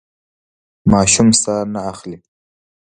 ماشوم ساه نه اخلي.